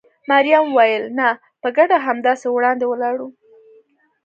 مريم وویل: نه، په ګډه همداسې وړاندې ولاړو.